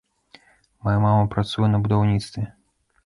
Мая мама працуе на будаўніцтве.